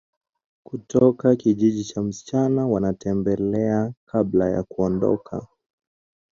Kutoka kijiji cha msichana wanamtembelea kabla ya kuondoka